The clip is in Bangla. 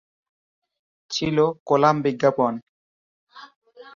ছিল কলাম বিজ্ঞাপন।